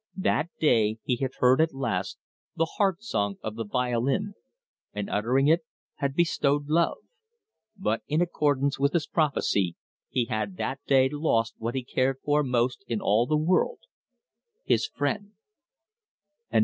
That day he had heard at last the Heart Song of the Violin, and uttering it, had bestowed love. But in accordance with his prophecy he had that day lost what he cared for most in all the world, his friend.